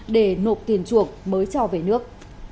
để nộp tiền chuộc mới cho về nước